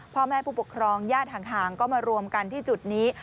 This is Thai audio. พ่อแม่ผู้ปกครองญาติห่างก็มารวมกันที่จุดนี้